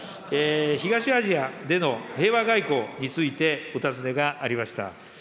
東アジアでの平和外交について、お尋ねがありました。